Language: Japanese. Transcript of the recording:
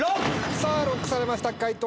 さぁＬＯＣＫされました解答